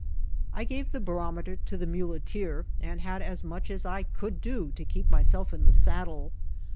I gave the barometer to the muleteer, and had as much as I could do to keep my self in the saddle.